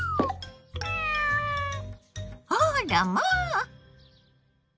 あらまあ！